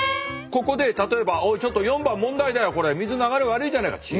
ここで例えば「おいちょっと４番問題だよこれ水流れ悪いじゃないか！」